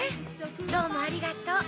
どうもありがとう。